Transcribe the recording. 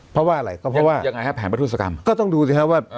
เพราะว่าอะไรก็เพราะว่ายังไงฮะแผนประทุศกรรมก็ต้องดูสิครับว่า